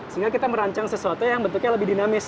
sehingga kami merancang sesuatu yang lebih dinamis